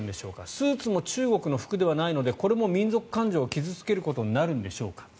スーツも中国の服ではないのでこれも民族感情を傷付けることになるのでしょうか。